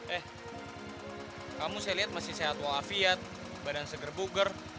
eh kamu saya lihat masih sehat walafiat badan seger buger